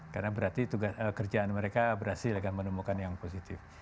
karena berarti kerjaan mereka berhasil akan menemukan yang positif